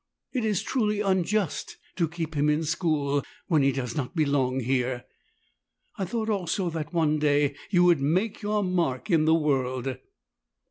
It is truly unjust to keep him in school when he does not belong here.' I thought also that, one day, you would make your mark in the world."